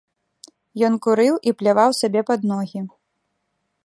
Ён курыў і пляваў сабе пад ногі.